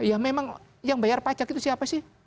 ya memang yang bayar pajak itu siapa sih